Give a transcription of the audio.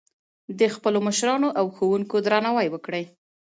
د خپلو مشرانو او ښوونکو درناوی وکړئ.